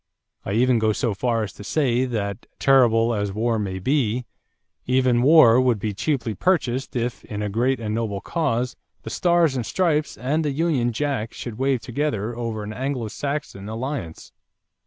I even go so far as to say that, terrible as war may be, even war would be cheaply purchased if, in a great and noble cause, the Stars and Stripes and the Union Jack should wave together over an Anglo Saxon alliance."